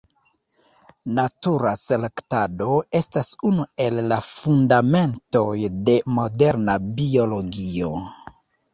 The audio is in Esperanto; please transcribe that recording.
Natura selektado estas unu el la fundamentoj de moderna biologio.